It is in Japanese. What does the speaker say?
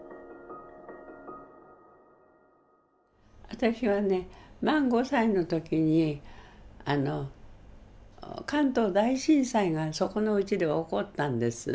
私はね満５歳の時に関東大震災がそこのうちでは起こったんです。